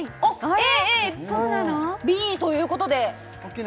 ＡＡＢということでそうなの？